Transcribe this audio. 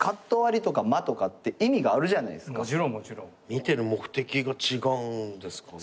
見てる目的が違うんですかね。